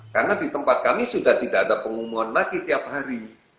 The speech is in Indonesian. karena di tempat kami sudah tidak ada pengumuman lagi tiap hari